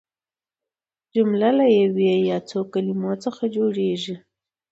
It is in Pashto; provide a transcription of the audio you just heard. جمله له یوې یا څو کلیمو څخه جوړیږي.